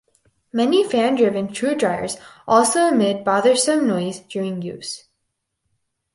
Many fan driven shoe dryers also emit bothersome noise during use.